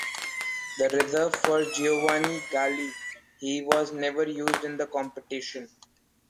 The reserve for Giovanni Galli, he was never used in the competition.